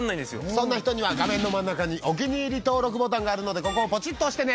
そんな人には画面の真ん中にお気に入り登録ボタンがあるのでここをポチッと押してね。